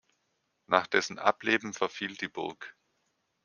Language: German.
Nach dessen Ableben verfiel die Burg.